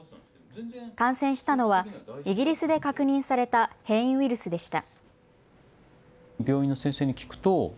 感染したのはイギリスで確認された変異ウイルスでした。